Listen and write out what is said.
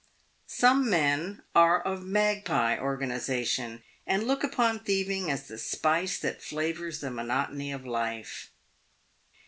Some men are of magpie organisation, and look upon thieving as the spice that flavours the monotony of life.